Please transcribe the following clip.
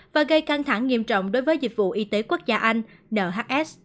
và gây căng thẳng nghiêm trọng đối với dịch vụ y tế quốc gia anh nhs